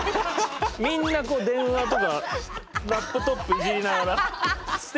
みんなこう電話とかラップトップいじりながらステージ見て。